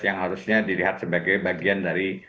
yang harusnya dilihat sebagai bagian dari